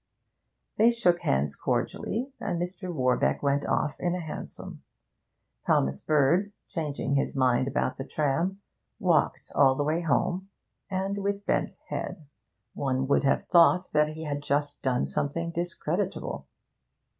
They shook hands cordially, and Mr. Warbeck went off in a hansom. Thomas Bird, changing his mind about the tram, walked all the way home, and with bent head. One would have thought that he had just done something discreditable.